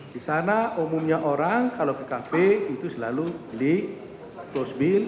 di sana umumnya orang kalau ke kafe itu selalu beli close bill